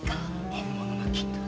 本物の金だ。